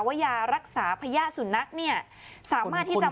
ว่ายารักษาพญาสุนัขเนี่ยสามารถที่จะ